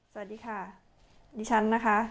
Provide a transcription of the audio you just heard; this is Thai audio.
สวัสดีค่ะสวัสดีฉัน